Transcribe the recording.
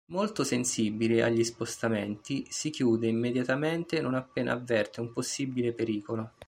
Molto sensibile agli spostamenti, si chiude immediatamente non appena avverte un possibile pericolo.